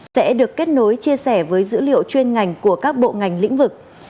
sẽ được kết nối chia sẻ với dữ liệu chuyên ngành của các bộ ngành lĩnh vực